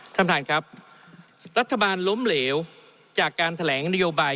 ท่านประธานครับรัฐบาลล้มเหลวจากการแถลงนโยบาย